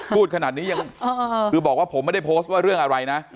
พูดขนาดนี้ยังคือบอกว่าผมไม่ได้โพสต์ว่าเรื่องอะไรนะ